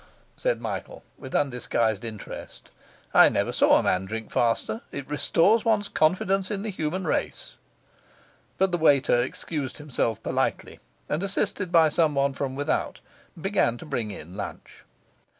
said Michael, with undisguised interest. 'I never saw a man drink faster. It restores one's confidence in the human race. But the waiter excused himself politely, and, assisted by some one from without, began to bring in lunch.